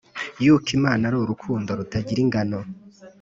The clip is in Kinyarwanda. Yuko Imana Ari urukundo Rutagira ingano